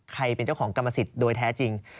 เป็นเจ้าของกรรมสิทธิ์โดยแท้จริง